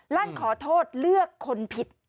ลั่นขอโทษเลือกคนผิด